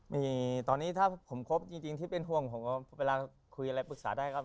มีตอนนี้ถ้าผมคบจริงที่เป็นห่วงผมก็เวลาคุยอะไรปรึกษาได้ครับ